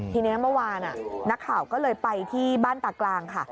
ทีนี้เมื่อวานนักข่าวก็เลยไปที่บ้านตากลางค่ะ